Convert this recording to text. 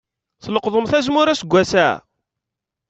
Tleqḍemt azemmur aseggas-a?